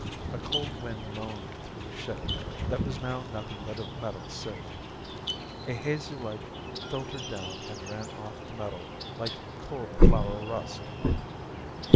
A cold wind moaned through the ship that was now nothing but a metal sieve. A hazy light filtered down and ran off the metal like cold flour rust.